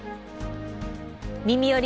「みみより！